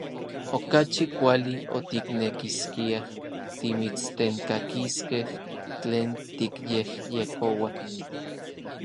Okachi kuali otiknekiskiaj timitstenkakiskej tlen tikyejyekoua.